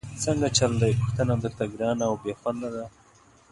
څنګه چل دی، پوښتنه درته ګرانه او بېخونده ده؟!